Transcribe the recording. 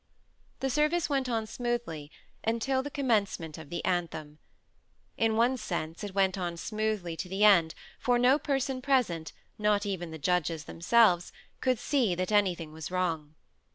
The service went on smoothly until the commencement of the anthem. In one sense it went on smoothly to the end, for no person present, not even the judges themselves, could see that anything was wrong.